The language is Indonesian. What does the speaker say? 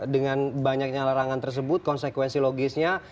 dengan banyaknya larangan tersebut konsekuensi logisnya